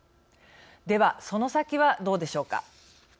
ではその先はどうでしょうか。